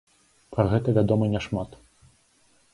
Пра гэта вядома няшмат.